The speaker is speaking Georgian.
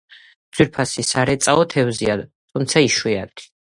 ძვირფასი სარეწაო თევზია, თუმცა იშვიათია.